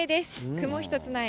雲一つない